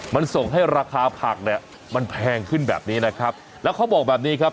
มันส่งให้ราคาผักเนี่ยมันแพงขึ้นแบบนี้นะครับแล้วเขาบอกแบบนี้ครับ